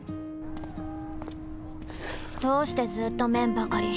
どうしてずーっと麺ばかり！